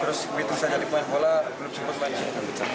terus begitu saya nyari poin bola belum sempat balik